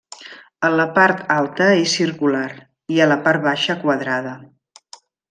A la part alta és circular i a la part baixa quadrada.